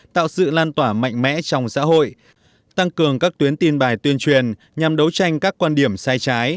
tạo sự lan tỏa mạnh mẽ trong xã hội tăng cường các tuyến tin bài tuyên truyền nhằm đấu tranh các quan điểm sai trái